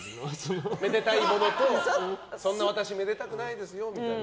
めでたいものとそんな私めでたくないですよみたいな。